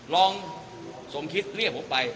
สมคิดเรียกผมไป